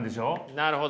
なるほど。